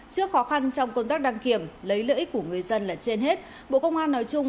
trước khó khăn trong công tác đăng kiểm lấy lợi ích của người dân là trên hết bộ công an nói chung